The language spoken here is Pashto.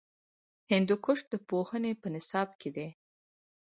هندوکش د پوهنې په نصاب کې دی.